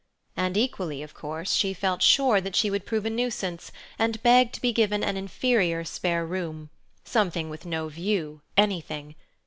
And, equally of course, she felt sure that she would prove a nuisance, and begged to be given an inferior spare room—something with no view, anything.